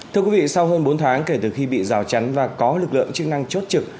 thưa quý vị sau hơn bốn tháng kể từ khi bị rào chắn và có lực lượng chức năng chốt trực